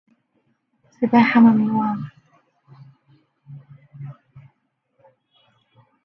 لو تروا حب ما اجمل